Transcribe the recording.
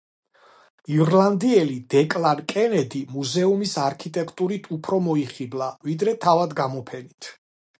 ირლანდიელი დეკლან კენედი მუზეუმის არქიტექტურით უფრო მოიხიბლა, ვიდრე თავად გამოფენით.